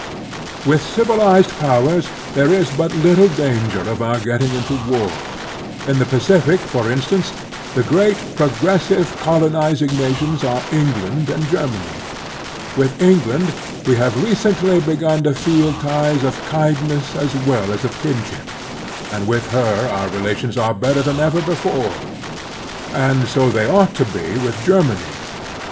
With civilized powers there is but little danger of our getting into war. In the Pacific, for instance, the great progressive, colonizing nations are England and Germany. With England we have recently begun to feel ties of kindness as well as of kinship, and with her our relations are better than ever before ; and so they ought to be with Germany.